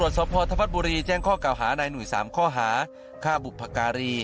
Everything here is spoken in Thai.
เจอยาบ้า๐๕เมตร